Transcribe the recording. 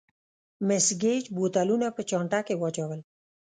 مېس ګېج بوتلونه په چانټه کې واچول.